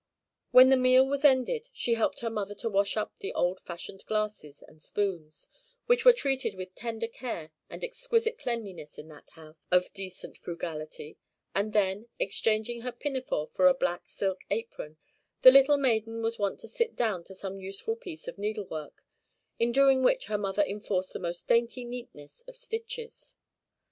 When the meal was ended, she helped her mother to wash up the old fashioned glasses and spoons, which were treated with tender care and exquisite cleanliness in that house of decent frugality; and then, exchanging her pinafore for a black silk apron, the little maiden was wont to sit down to some useful piece of needlework, in doing which her mother enforced the most dainty neatness of stitches.